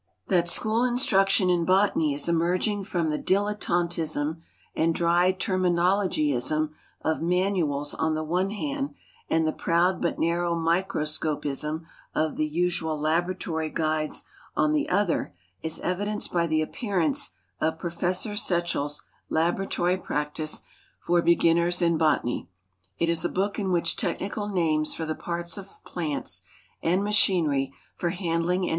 That school instruction in botanv is emertiinjir from the dilettantcism and dry ternunolofryism of " manuals" on the one hand, ami the proud but narrow microscopism of the usual " laboratory jiuides" on the other, is evidenced by the appearance of Professor Setchell's Laboratory Prac tice for Beijinners in B>otany. It is a book in which technical names for the parts of plants and machinery for handling and e.